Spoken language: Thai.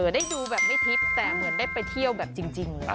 ได้ดูแบบไม่ทิพย์แต่เหมือนได้ไปเที่ยวแบบจริงเลย